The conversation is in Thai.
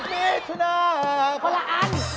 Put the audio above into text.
เม็ดมีชุนาคนละอัน